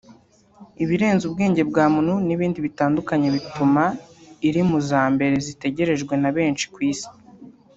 ibirenze ubwenge bwa muntu n’ibindi bitandukanye bituma iri mu za mbere zitegerejwe na benshi ku Isi